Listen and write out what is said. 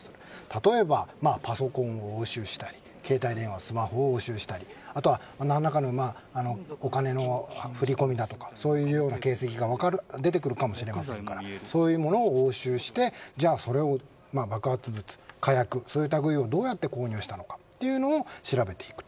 例えばパソコンを押収したり携帯電話、スマホを押収したりあとは何らかのお金の振り込みだとかそういうような形跡が出てくるかもしれませんからそういうものを押収してそれを爆発物火薬をどうやって購入したのか調べていく。